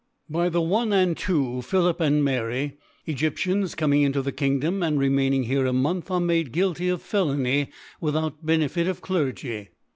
By the i and iPJ^ilipSLnd Mary ♦, Egyp^ /WW coming into the Kingdom, and rcmar ing here a Month, are made guilty of Fe lony without Benefit of Clergy.